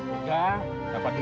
buka dapat dulu lima puluh